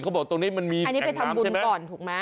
เขาบอกตรงนี้มันมีแอ่งน้ำใช่ไหม